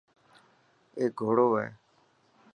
اي گهوڙو هي.